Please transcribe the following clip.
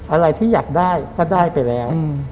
อะไรที่อยากได้ก็ได้ไปแล้ว